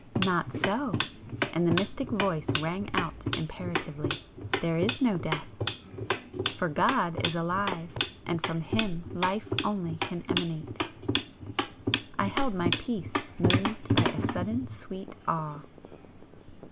"Not so!" and the mystic Voice rang out imperatively "There is no death! For God is alive! and from Him Life only can emanate!" I held my peace, moved by a sudden sweet awe.